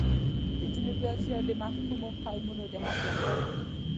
د جنوبي اسيا د محکومو قومونو د حق لپاره.